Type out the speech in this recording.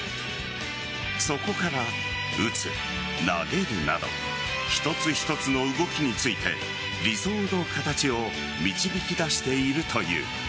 そこから打つ、投げるなど一つ一つの動きについて理想の形を導き出しているという。